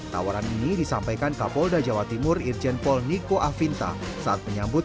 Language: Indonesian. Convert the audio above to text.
tawaran ini disampaikan kapolda jawa timur irjen pol niko afinta saat menyambut